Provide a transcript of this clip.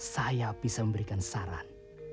saya bisa memberikan saran